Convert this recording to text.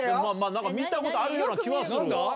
なんか見たことあるような気はする。